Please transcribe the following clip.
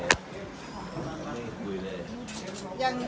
ไม่คุยเลย